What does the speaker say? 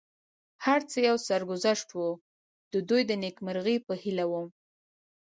هر څه یو سرګذشت و، د دوی د نېکمرغۍ په هیله ووم.